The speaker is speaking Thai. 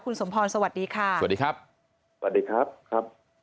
คุณสมพรสวัสดีค่ะสวัสดีครับสวัสดีครับครับ